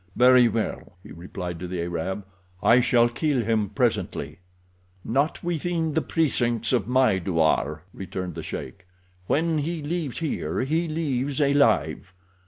"Very well," he replied to the Arab; "I shall kill him presently." "Not within the precincts of my douar," returned the sheik. "When he leaves here he leaves alive.